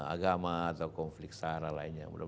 agama atau konflik sarah lainnya